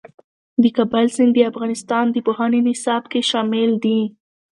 د کابل سیند د افغانستان د پوهنې نصاب کې شامل دي.